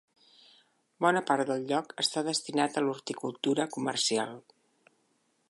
Bona part del lloc està destinat a l'horticultura comercial.